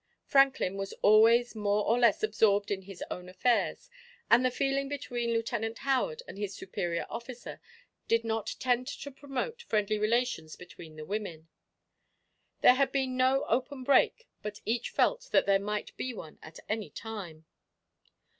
Franklin was always more or less absorbed in his own affairs, and the feeling between Lieutenant Howard and his superior officer did not tend to promote friendly relations between the women. There had been no open break, but each felt that there might be one at any time.